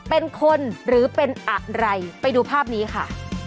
เป็นคนหรือเป็นอะไรไปดูภาพนี้ค่ะ